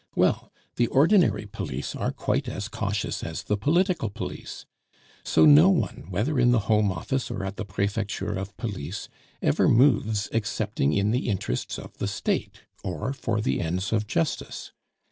"Well, the ordinary police are quite as cautious as the political police. So no one, whether in the Home Office or at the Prefecture of Police, ever moves excepting in the interests of the State or for the ends of Justice.